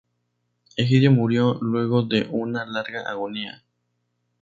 Egidio murió luego de una larga agonía.